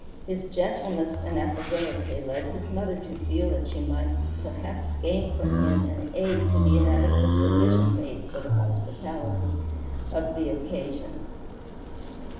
His gentleness and affability led his mother to feel that she might perhaps gain from him an aid to the inadequate provision made for the hospitality of the occasion.